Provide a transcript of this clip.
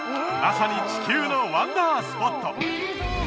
まさに地球のワンダースポット